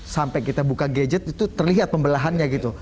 sampai kita buka gadget itu terlihat pembelahannya gitu